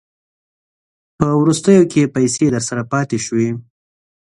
په وروستیو کې که پیسې درسره پاته شوې